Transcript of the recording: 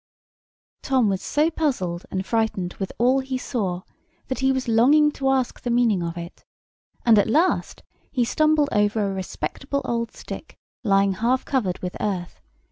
Tom was so puzzled and frightened with all he saw, that he was longing to ask the meaning of it; and at last he stumbled over a respectable old stick lying half covered with earth.